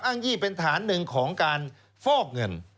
ยี่เป็นฐานหนึ่งของการฟอกเงิน